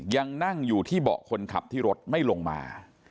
ยังนั่งอยู่ที่เบาะคนขับที่รถไม่ลงมา